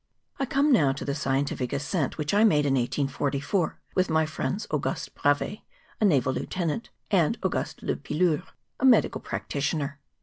I COME now to the scientific ascent which I made in 1844, with my friends Auguste Bravais, a naval lieutenant, and Auguste Lepileur, a medical prac¬ titioner.